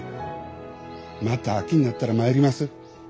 また秋になったら参ります。